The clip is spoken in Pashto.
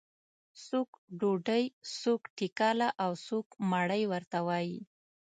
څوک ډوډۍ، څوک ټکله او څوک مړۍ ورته وایي.